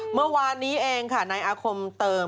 เมื่อวานนี้เองค่ะในอาคมเติม